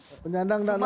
penyandang dana juga